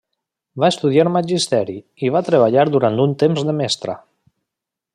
Va estudiar magisteri, i va treballar durant un temps de mestra.